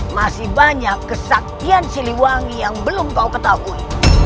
masih banyak kesaktian siliwangi yang belum kau ketahui